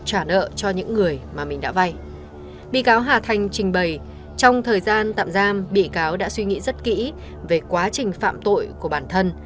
trong thời gian tạm giam bị cáo đã suy nghĩ rất kỹ về quá trình phạm tội của bản thân